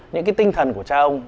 những tinh thần của cha ông